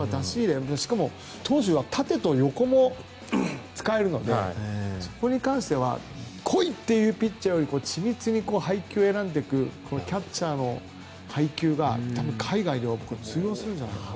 しかも縦と横も使えるのでそこに関しては来い！というピッチャーより緻密に配球を選んでいくキャッチャーの配球が海外では通用するんじゃないかな。